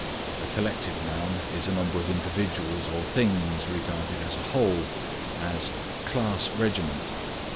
(1) A collective noun is a number of individuals or things regarded as a whole; as, class regiment.